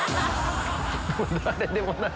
もう誰でもない。